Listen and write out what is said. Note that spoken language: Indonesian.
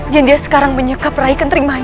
hingga sekarang menyebabkan terima